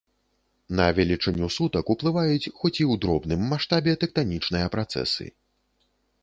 На велічыню сутак уплываюць, хоць і ў дробным маштабе, тэктанічныя працэсы.